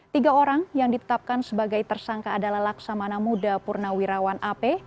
tiga orang yang ditetapkan sebagai tersangka adalah laksamana muda purnawirawan ap